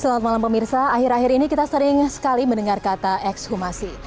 selamat malam pemirsa akhir akhir ini kita sering sekali mendengar kata ekshumasi